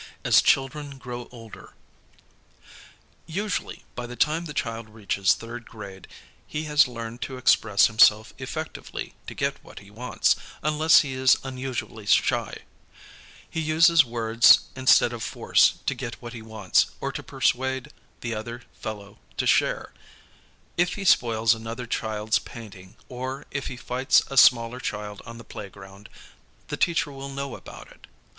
AS CHILDREN GROW OLDER Usually b) the time the child reaches third grade he has learned to express himself effectively to get what he wants, unless he is unusually shy. He uses HOW CHILDREN LEARN ABOUT HUMAN RIGHTS 7 words instead of force to get what he wants or to persuade the other fellow to share. If he spoils another child"? painting or if he fights a smaller child on the playground, the teacher will know about it.